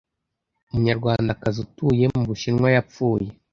Umunyarwandakazi utuye mu bushinwa yapfuye